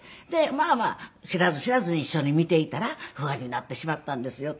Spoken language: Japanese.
まあまあ知らず知らずに一緒に見ていたらファンになってしまったんですよって。